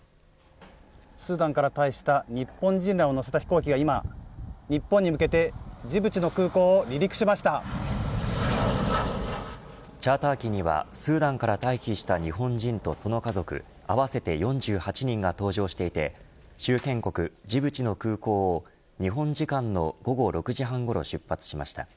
スーダンから退避した日本人らを乗せた飛行機が、今日本に向けてジブチの空港をチャーター機にはスーダンから退避した日本人とその家族合わせて４８人が搭乗していて周辺国ジブチの空港を日本時間の午後６時半ごろ出発しました。